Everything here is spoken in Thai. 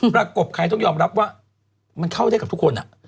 ประกบใครต้องยอมรับว่ามันเข้าได้กับทุกคน